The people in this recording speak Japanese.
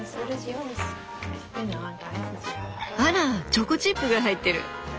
あらチョコチップが入ってる。